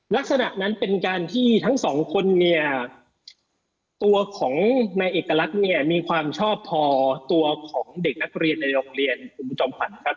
ลักษณะนั้นเป็นการที่ทั้งสองคนเนี่ยตัวของนายเอกลักษณ์เนี่ยมีความชอบพอตัวของเด็กนักเรียนในโรงเรียนคุณจอมขวัญครับ